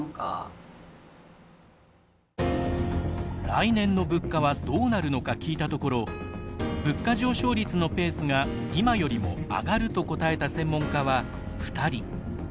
来年の物価はどうなるのか聞いたところ物価上昇率のペースが今よりも上がると答えた専門家は２人。